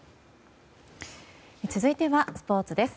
続いてはスポーツです。